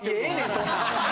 そんなん。